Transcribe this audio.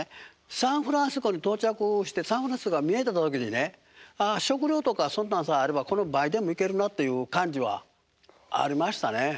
サンフランシスコに到着してサンフランシスコが見えた時にねああ食料とかそんなんさえあればこの倍でも行けるなという感じはありましたね。